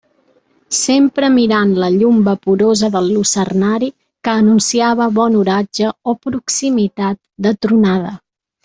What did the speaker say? Sempre mirant la llum vaporosa del lucernari que anunciava bon oratge o proximitat de tronada.